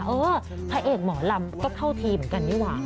เออพระเอกหมอลำก็เข้าทีมเหมือนกันนี่หว่า